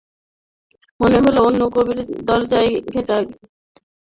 মনে হল, অন্য কবির দরজায় ঠেলাঠেলি ভিড়, বড়োলোকের শ্রাদ্ধে কাঙালি-বিদায়ের মতো।